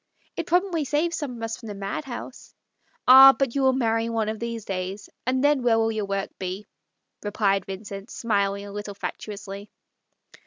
"It probably saves some of us from the madhouse." " Ah, but you will marry one of these days, and then where will your work be ?" replied Vincent, smiling a little fatuously.